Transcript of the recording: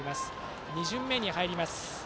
打者は２巡目に入ります。